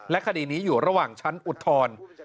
และคดีนี้อยู่ระหว่างชั้นอุดทร